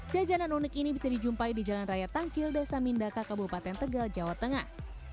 jajanan unik ini bisa dijumpai di jalan raya tangkil desa mindaka kabupaten tegal jawa tengah